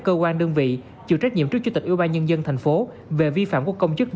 cơ quan đơn vị chịu trách nhiệm trước chủ tịch ủy ban nhân dân thành phố về vi phạm của công chức